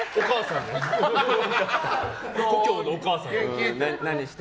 故郷のお母さんじゃん。